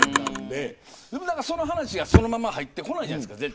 その話がそのまま入ってこないじゃないですか。